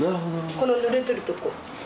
このぬれてる所。